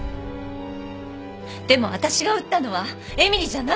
でも私が撃ったのは絵美里じゃない。